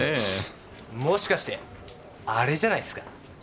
もしかして「あれ」じゃないすか？